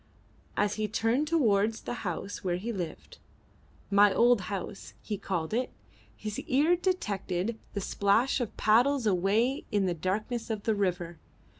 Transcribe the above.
As he turned towards the house where he lived "my old house" he called it his ear detected the splash of paddles away in the darkness of the river.